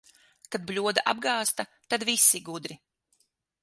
Kad bļoda apgāzta, tad visi gudri.